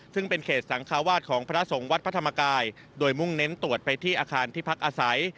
ซึ่งเป็นเขตสังคาวาสของพระสงฆ์วัดพระธรรมกายโดยมุ่งเน้นตรวจไปที่อาคารที่พักอาศัย